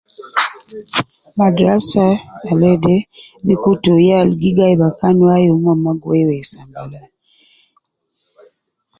Madrasa al wede gi kutu yal gi gai bakan wai wu omon ma gi wei wei sambala